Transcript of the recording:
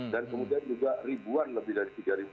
dan juga ribuan lebih dari tiga ribu